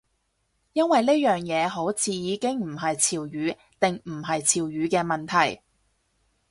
因為呢樣嘢好似已經唔係潮語定唔係潮語嘅問題